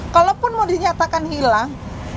kalaupun mau dinyatakan hilang